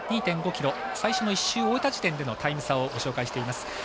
２．５ｋｍ最初の１周を終えた時点でのタイム差をご紹介しています。